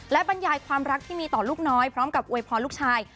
และบรรยายความรักที่มีต่อลูกน้อยพร้อมกับอวยพรลูกชาย